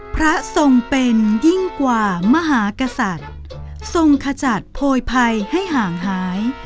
พระทรงเป็นยิ่งกว่ามหากษัตริย์ทรงขจัดโพยภัยให้ห่างหาย